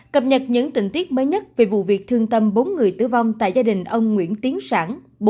cập nhật những tình tiết mới nhất về vụ việc thương tâm bốn người tử vong tại gia đình ông nguyễn tiến sản